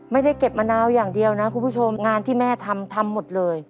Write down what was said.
ไม่ได้เก็บมะนาวอย่างเดียวนะคุณผู้ชมงานที่แม่ทำทำหมดเลย